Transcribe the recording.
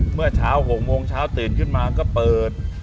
เมื่อเช้า๖โมงเช้าตื่นขึ้นมาก็เปิด